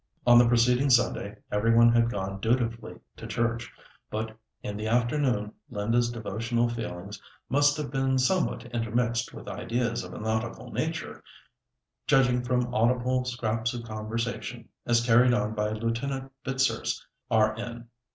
On the preceding Sunday every one had gone dutifully to church, but in the afternoon Linda's devotional feelings must have been somewhat intermixed with ideas of a nautical nature, judging from audible scraps of conversation, as carried on by Lieutenant Fitzurse, R.N.